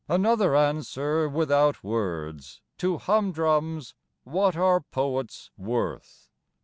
Another answer without words To Humdrum's, "What are poets worth?"